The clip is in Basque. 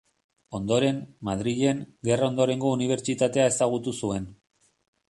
Ondoren, Madrilen, gerra ondorengo unibertsitatea ezagutu zuen.